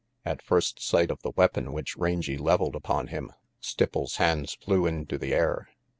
At first sight of the weapon which Rangy leveled upon him, Stipples' hands flew into the air.